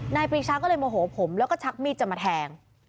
ปรีชาก็เลยโมโหผมแล้วก็ชักมีดจะมาแทง